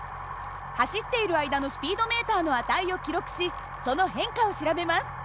走っている間のスピードメーターの値を記録しその変化を調べます。